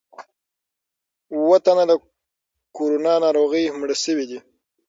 اووه تنه له کورونا ناروغۍ مړه شوي دي.